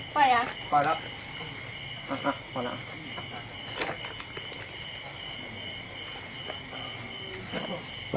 พอแล้ว